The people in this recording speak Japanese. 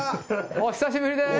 お久しぶりです。